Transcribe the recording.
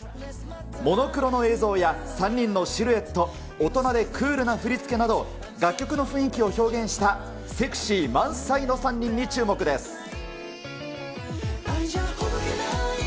モノクロの映像や３人のシルエット、大人でクールな振り付けなど、楽曲の雰囲気を表現したセクシー満載の３人の注目です。